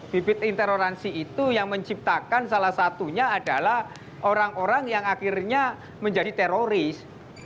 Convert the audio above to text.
bibit intoleransi itu yang menciptakan salah satunya adalah orang orang yang akhirnya menjadi teroris